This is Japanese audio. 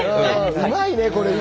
うまいね、これ。